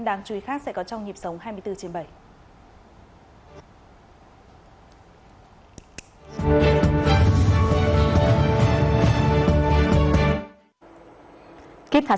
đáng chú ý khác